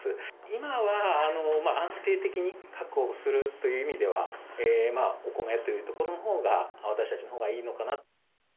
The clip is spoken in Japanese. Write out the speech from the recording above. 今は安定的に確保するという意味では、お米というところのほうが私たちのほうはいいのかなと。